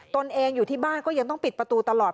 ตนเองอยู่ที่บ้านก็ยังต้องปิดประตูตลอด